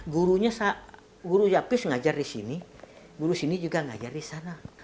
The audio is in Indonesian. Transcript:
gurunya guru yapis ngajar di sini guru sini juga ngajar di sana